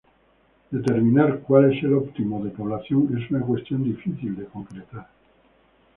Determinar cuál es el óptimo de población es una cuestión difícil de concretar.